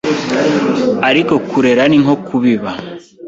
ariko kurera ni nko kubiba